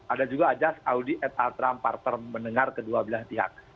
ada juga ajas audi at al trump parter mendengar kedua belah pihak